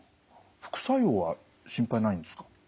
副作用は心配ないんですか？